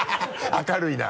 明るいな。